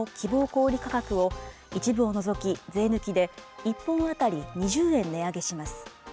小売り価格を、一部を除き税抜きで１本当たり２０円値上げします。